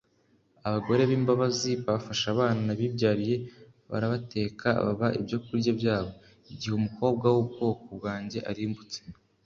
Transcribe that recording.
Abagore b’imbabazi bafashe abana bibyariye, Barabateka baba ibyokurya byabo, Igihe umukobwa w’ubwoko bwanjye arimbutse.